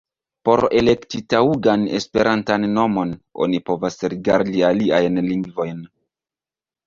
Por elekti taŭgan esperantan nomon, oni povas rigardi aliajn lingvojn.